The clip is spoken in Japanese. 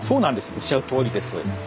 おっしゃるとおりです。